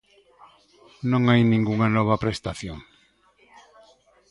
Non hai ningunha nova prestación.